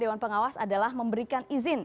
dewan pengawas adalah memberikan izin